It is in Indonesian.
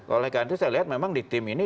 oleh karena itu saya lihat memang di tim ini